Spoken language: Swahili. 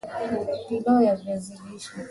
pilau ya viazi lishe